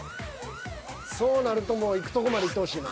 そうなるともういくとこまでいってほしいな。